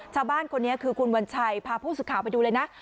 ชาวบ้านคนนี้คือคุณวัญชัยพาผู้สื่อข่าวไปดูเลยนะ